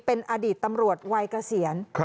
เป็นอดีตตำรวจวัยเกษียณ